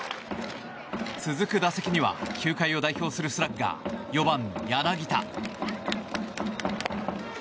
続く打席には球界を代表するスラッガー４番、柳田。